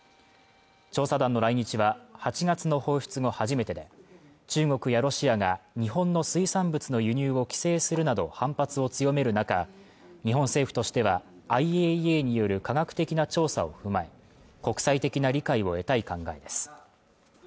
調査団の来日は８月の放出後初めてで中国やロシアが日本の水産物の輸入を規制するなど反発を強める中日本政府としてはＩＡＥＡによる科学的な調査を踏まえ国際的な理解を得たい考えです